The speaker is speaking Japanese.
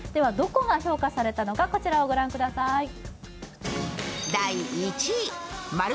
どこが評価されたのか、こちらを御覧ください。